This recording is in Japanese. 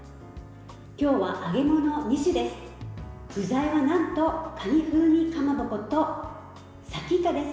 今日は揚げもの２種です。